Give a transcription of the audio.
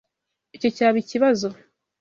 Icyo cyaba ikibazo.